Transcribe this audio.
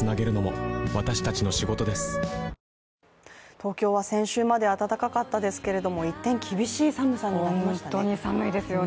東京は先週まで暖かかったですけれども一転、厳しい寒さになりましたね。